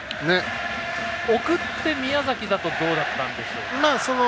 送って宮崎だとどうだったんでしょうか。